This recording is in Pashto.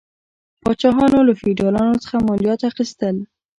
پاچاهانو له فیوډالانو څخه مالیات اخیستل.